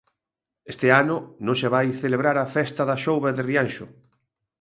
Este ano non se vai celebrar a Festa da Xouba de Rianxo.